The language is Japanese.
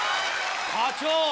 課長。